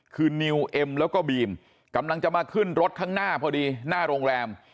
คือนิวเอ็มแล้วก็บีมกำลังจะมาขึ้นรถข้างหน้าพอดีหน้าโรงแรม